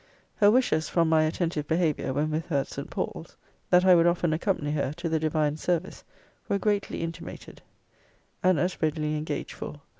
Her wishes, from my attentive behaviour, when with her at St. Paul's,* that I would often accompany her to the Divine Service, were greatly intimated, and as readily engaged for.